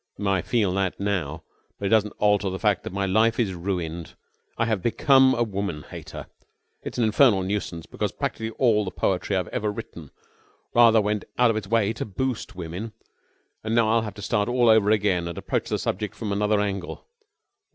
"I feel that now. But it doesn't alter the fact that my life is ruined. I have become a woman hater. It's an infernal nuisance, because practically all the poetry I have ever written rather went out of its way to boost women, and now I'll have to start all over again and approach the subject from another angle.